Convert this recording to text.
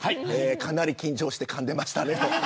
かなり緊張してかんでましたね。